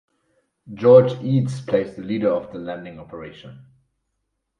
George Eads plays the leader of the landing operation.